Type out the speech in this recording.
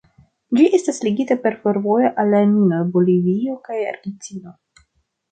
Ĝi estas ligita per fervojo al la minoj, Bolivio kaj Argentino.